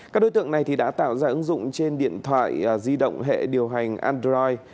các đối tượng này đã tạo ra ứng dụng trên điện thoại di động hệ điều hành android